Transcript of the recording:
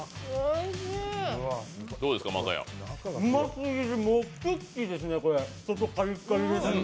うますぎてクッキーですね、これ外カリカリで。